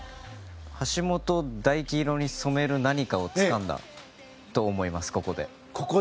橋本大輝色に染める何かをここでつかんだと思います。